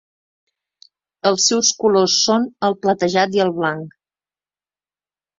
Els seus colors són el platejat i el blanc.